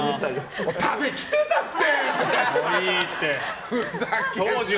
多部来てたって！